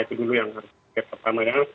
itu dulu yang harus gap pertama ya